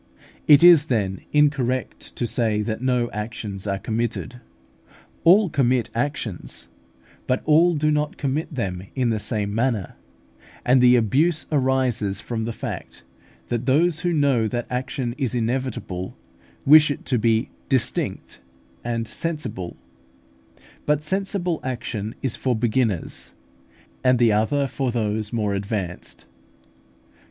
It is, then, incorrect to say that no actions are committed. All commit actions, but all do not commit them in the same manner; and the abuse arises from the fact, that those who know that action is inevitable wish it to be distinct and sensible. But sensible action is for beginners, and the other for those more advanced.